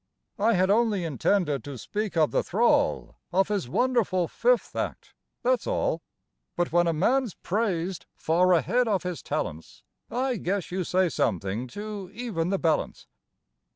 I had only intended to speak of the thrall Of his wonderful fifth act; that's all. But when a man's praised far ahead of his talents, I guess you say something to even the balance.